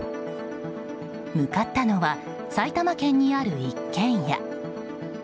向かったのは埼玉県にある一軒家。